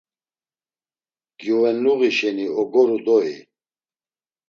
Gyuvenluği şeni ogoru doi.